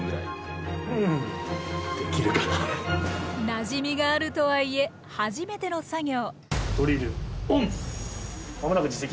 なじみがあるとはいえ初めての作業。